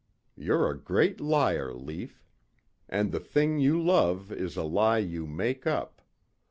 You're a great liar, Lief. And the thing you love is a lie you make up.